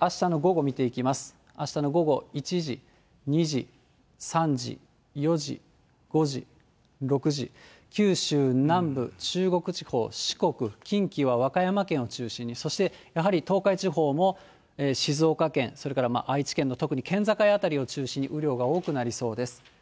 あしたの午後１時、２時、３時、４時、５時、６時、九州南部、中国地方、四国、近畿は和歌山県を中心に、そして、やはり東海地方も、静岡県、それから愛知県の特に県境辺りを中心に、雨量が多くなりそうです。